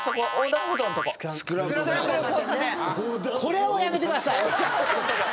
これはやめてください！